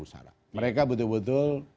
usara mereka betul betul